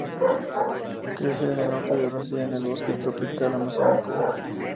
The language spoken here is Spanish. Crece en el norte de Brasil en el bosque tropical amazónico.